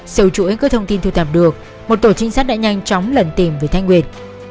dù chủ yếu các thông tin thu tạp được một tổ trinh sát đã nhanh chóng lần tìm về thái nguyên